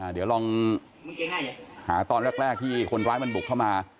เดี๋ยวลองหาตอนแรกที่คนร้ายมันบุกเข้ามา